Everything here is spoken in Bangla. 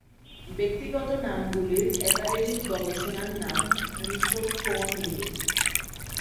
ব্যক্তিগত নামগুলির একাডেমিক গবেষণার নাম অ্যানথ্রোপনিমি।